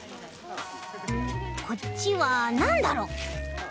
こっちはなんだろう？